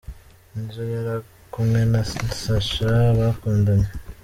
Nizzo yari ari kumwe na Sacha bakundanyeho.